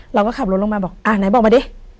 เราก็ขับรถลงมาบอกอ่าไหนบอกมาดิ